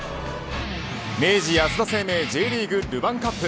明治安田生命Ｊリーグルヴァンカップ。